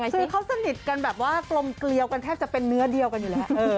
คือเขาสนิทกันแบบว่ากลมเกลียวกันแทบจะเป็นเนื้อเดียวกันอยู่แล้ว